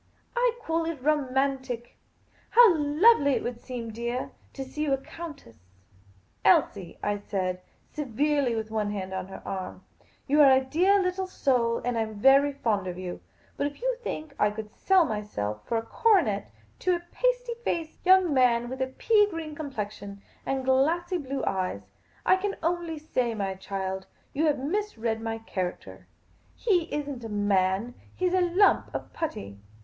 I call it romantic. How lovely it would seem, dear, to see you a countess !"" Elsie," I said, .severely, with one hand on her arm, " you are a dear little soul, and I am very fond of you ; but if you think I could sell myself for a coronet to a pasty faced The Pea Green Patrician 219 young man with a pea green complexion and glassy blue eyes — I can only say, my child, you have misread my char acter. He is n't a man ; he 's a lump of putty